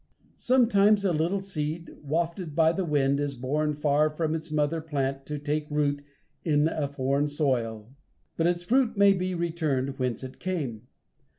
Sometimes a little seed, wafted by the wind, is borne far from its mother plant to take root in a foreign soil: but its fruit may be returned whence it came.